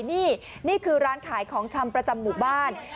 นี่นี่คือร้านขายของชำประจำหมู่บ้าน